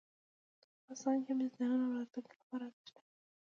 افغانستان کې مس د نن او راتلونکي لپاره ارزښت لري.